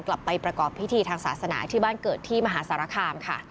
กลับไปประกอบพิธีทางศาสนาที่บ้านเกิดที่มหาสารคามค่ะ